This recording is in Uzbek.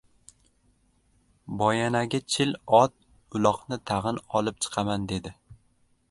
Boyanagi chil ot uloqni tag‘in olib chiqaman dedi.